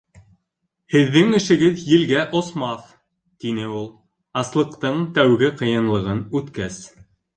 — Һеҙҙең эшегеҙ елгә осмаҫ, — тине ул, аслыҡтың тәүге ҡыйынлығын үткәс.